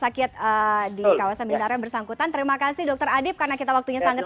sakit di kawasan binar yang bersangkutan terima kasih dokter adib karena kita waktunya sangat